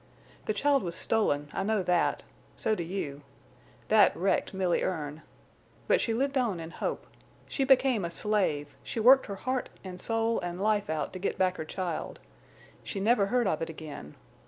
The child was stolen, I know that. So do you. That wrecked Milly Erne. But she lived on in hope. She became a slave. She worked her heart and soul and life out to get back her child. She never heard of it again.